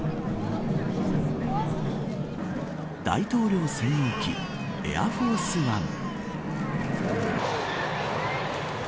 大統領専用機エアフォース・ワン。